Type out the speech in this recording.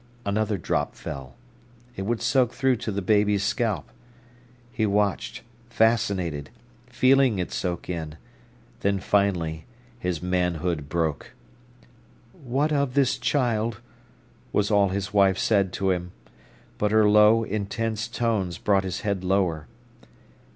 Another drop fell. It would soak through to the baby's scalp. He watched, fascinated, feeling it soak in; then, finally, his manhood broke. "What of this child?" was all his wife said to him. But her low, intense tones brought his head lower.